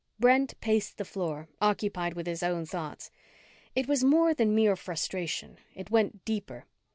Brent paced the floor, occupied with his own thoughts. It was more than mere frustration. It went deeper.